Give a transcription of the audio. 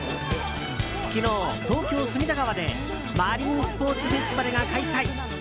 昨日、東京・隅田川でマリンスポーツフェスティバルが開催。